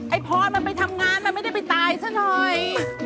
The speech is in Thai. ไอ้พ่อไปทำงานมันไม่ได้ไปตายด้วย